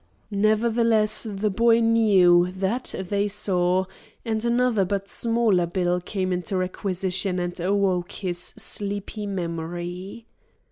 Nevertheless the boy knew; that they saw, and another but smaller bill came into requisition and awoke his sleepy memory.